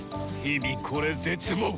日々これ絶望！